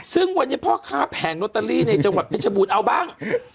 ซึ่งวันนี้พ่อค้าแผงโนตรีในจังหวัดพิชบุรณ์เอาบ้าง